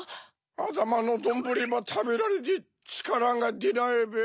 あたまのどんぶりばたべられてちからがでないべ。